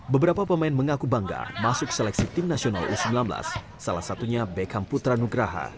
beberapa pemain mengaku bangga masuk seleksi tim nasional u sembilan belas salah satunya beckham putra nugraha